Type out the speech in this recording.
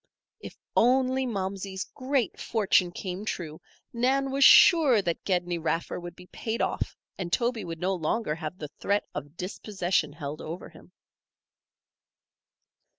If only Momsey's great fortune came true, Nan was sure that Gedney Raffer would be paid off and Toby would no longer have the threat of dispossession held over him.